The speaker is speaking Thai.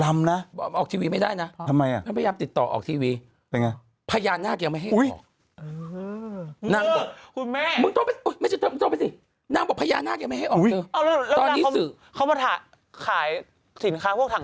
ชื่อประมาณเบียงี้ไม่เคยซื้อเลยนะ